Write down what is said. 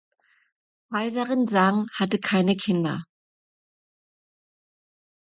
Kaiserin Zhang hatte keine Kinder.